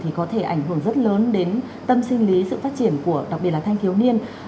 thì có thể ảnh hưởng rất lớn đến tâm sinh lý sự phát triển của đặc biệt là thanh thiếu niên